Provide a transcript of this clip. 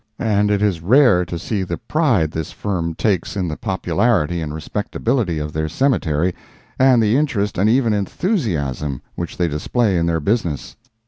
And it is rare to see the pride this firm takes in the popularity and respectability of their cemetery, and the interest and even enthusiasm which they display in their business.